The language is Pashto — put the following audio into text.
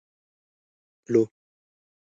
پلو